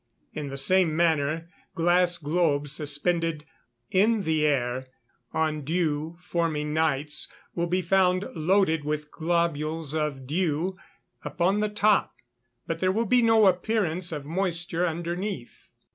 In the same manner glass globes suspended in the air, on dew forming nights, will be found loaded with globules of dew upon the top, but there will be no appearance of moisture underneath.